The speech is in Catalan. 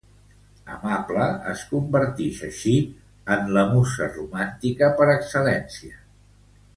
Amable es convertix així en la musa romàntica per excel·lència.